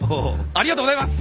ありがとうございます！